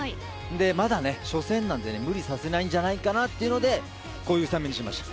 まだ初戦なので無理させないんじゃないかというのでこういうスタメンにしました。